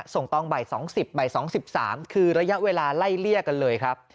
ส่งต้องใบ๒๐ใบ๒๓คือระยะเวลาไล่เรียกกันเลยครับ